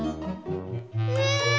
え！